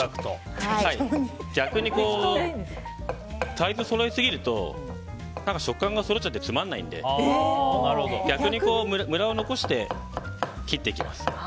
逆にサイズをそろえすぎると食感がそろっちゃってつまらないので逆にむらを残して切っていきます。